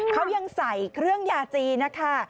เขายังใส่เครื่องยาจีนนะคะ